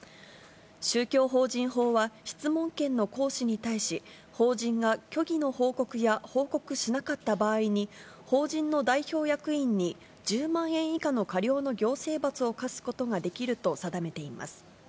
宗教法人法は、質問権の行使に対し、法人が虚偽の報告や報告しなかった場合に、法人の代表役員に１０万円以下の過料の行政罰を科すことができると定めています。